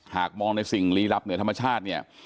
หากมองในสิ่งลี้ลับเหนือธรรมชาติเนี่ย